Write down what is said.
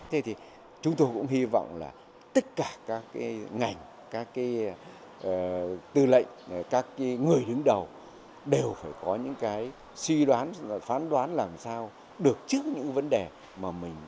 thế thì chúng tôi cũng hy vọng là tất cả các cái ngành các cái tư lệnh các cái người đứng đầu đều phải có những cái suy đoán phán đoán làm sao được trước những vấn đề mà mình